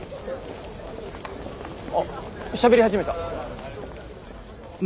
あっしゃべり始めた。